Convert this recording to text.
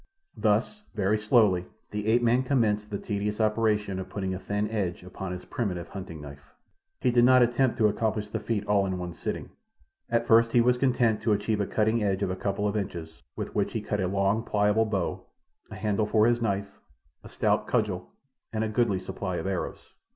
Thus, very slowly, the ape man commenced the tedious operation of putting a thin edge upon his primitive hunting knife. He did not attempt to accomplish the feat all in one sitting. At first he was content to achieve a cutting edge of a couple of inches, with which he cut a long, pliable bow, a handle for his knife, a stout cudgel, and a goodly supply of arrows.